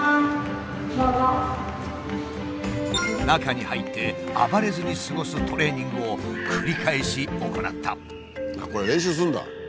中に入って暴れずに過ごすトレーニングを繰り返し行った。